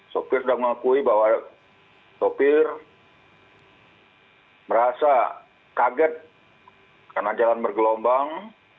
sopir sudah mengakui bahwa sopir merasa kaget karena jalan bergelombang